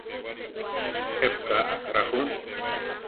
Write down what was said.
Jepú ka akará jú?